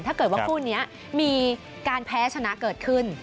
ถ้าเกิดว่าคู่นี้มีการแพ้ชนะเกิดขึ้น